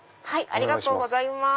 ありがとうございます。